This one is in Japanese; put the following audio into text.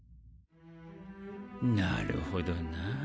なるほどな。